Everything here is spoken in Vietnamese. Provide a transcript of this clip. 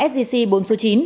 sgc bốn số chín